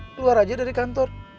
keluar aja dari kantor